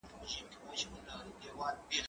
زه پاکوالي نه ساتم!؟